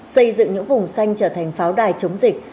xây dựng những vùng xanh trở thành pháo đài chống dịch